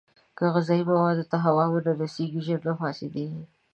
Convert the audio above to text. که غذايي موادو ته هوا ونه رسېږي، ژر نه فاسېدېږي.